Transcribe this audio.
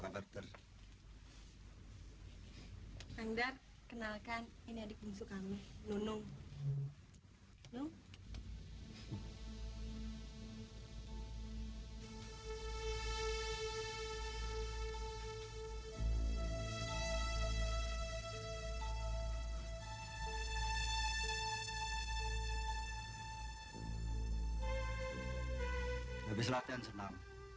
kamu telah menjalankan wajiban kamu sebagai seorang imam